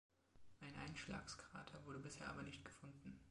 Ein Einschlagskrater wurde bisher aber nicht gefunden.